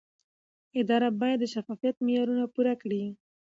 اداره باید د شفافیت معیارونه پوره کړي.